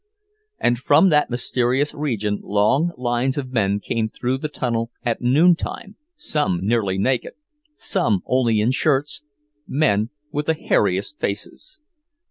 And from that mysterious region long lines of men came through the tunnel at noontime, some nearly naked, some only in shirts, men with the hairiest faces.